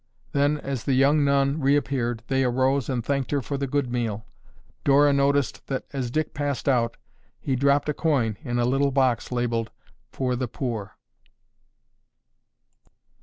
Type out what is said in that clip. Then, as the young nun reappeared, they arose and thanked her for the good meal. Dora noticed that as Dick passed out he dropped a coin in a little box labeled, FOR THE POOR.